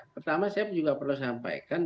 pertama saya juga perlu sampaikan